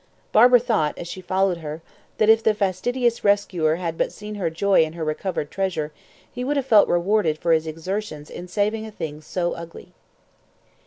Barbara thought, as she followed her, that if the fastidious rescuer had but seen her joy in her recovered treasure, he would have felt rewarded for his exertions in saving a thing so ugly.